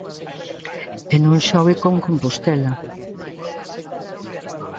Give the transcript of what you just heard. E non xogue con Compostela.